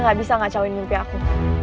dia gak bisa gak cowokin mimpi aku